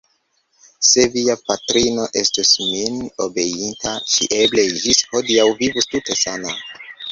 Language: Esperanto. Se via patrino estus min obeinta, ŝi eble ĝis hodiaŭ vivus tute sana.